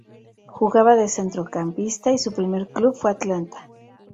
Jugaba de centrocampista y su primer club fue Atlanta.